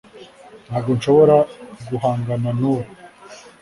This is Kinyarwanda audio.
Ntabwo nshobora guhangana nubu